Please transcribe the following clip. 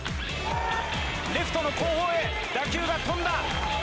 レフトの後方へ、打球が飛んだ。